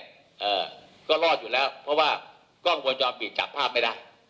อ่าก็รอดอยู่แล้วเพราะว่ากล้องกำโปรจอมปีกจับภาพไม่ได้